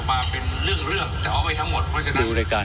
ฟังแล้วพยายามดูข้อมูลนะครับ